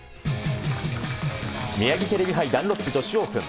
ミヤギテレビ杯ダンロップ女子オープン。